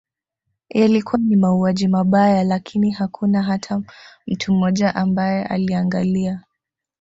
Yalikuwa ni mauaji mabaya lakini hakuna hata mtu mmoja ambaye aliangalia